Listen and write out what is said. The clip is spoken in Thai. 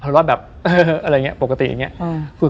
หัวเราะแบบอะไรอย่างเงี้ยปกติอย่างเงี้ยอืม